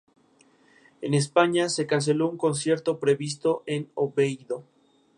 En España se canceló un concierto previsto en Oviedo.